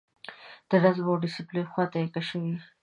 د نظم او ډسپلین خواته یې کشوي.